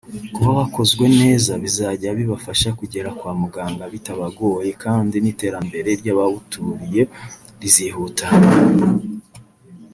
Kuba wakozwe neza bizajya bibafasha kugera kwa muganga bitabagoye kandi n’iterambere ry’abawuturiye rizihuta